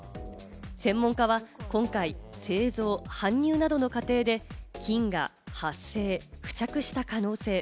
専門家は今回、製造・搬入などの過程で菌が発生、付着した可能性。